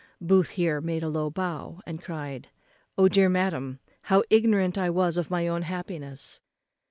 Booth here made a low bow, and cried, "O dear madam, how ignorant was I of my own happiness!"